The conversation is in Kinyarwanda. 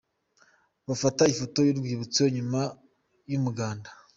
Bafata ifoto y' u rwibutso nyuma y'umuganda.